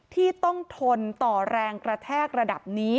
ที่ต้องทนต่อแรงกระแทกระดับนี้